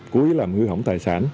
cúi làm hư hỏng tài sản